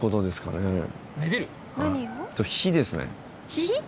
火！？